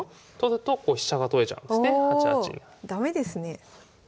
駄目ですね。